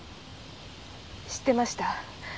知ってました。